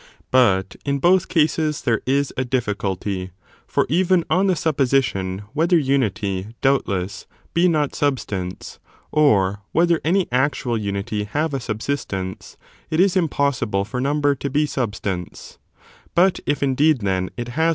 But in both cases there is a difficulty; for even on the supposition whether unity, doubtless, be not substance, or whether any actual unity have a subsistence, it is impossible for number to be substance : but if, indeed, then, it has not a ^ Vide book IX.